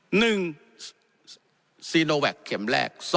๑จริงโนแวคเข็มแรก